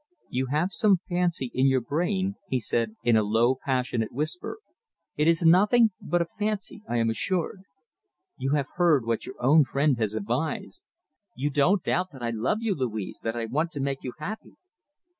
"You have some fancy in your brain," he said, in a low, passionate whisper. "It is nothing but a fancy, I am assured. You have heard what your own friend has advised. You don't doubt that I love you, Louise, that I want to make you happy."